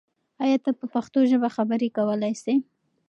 آیا ته په پښتو ژبه خبرې کولای سې؟